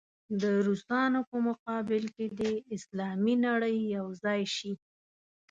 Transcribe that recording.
د روسانو په مقابل کې دې اسلامي نړۍ یو ځای شي.